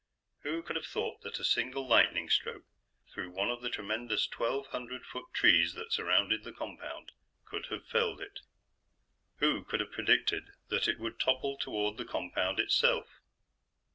Who could have thought that a single lightning stroke through one of the tremendous, twelve hundred foot trees that surrounded the compound could have felled it? Who could have predicted that it would topple toward the compound itself?